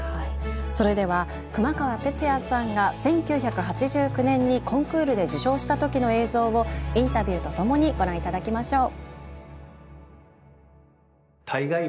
それでは熊川哲也さんが１９８９年にコンクールで受賞した時の映像をインタビューとともにご覧頂きましょう。